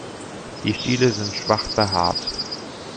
Die Stiele sind schwach behaart.